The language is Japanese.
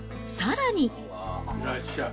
いらっしゃい。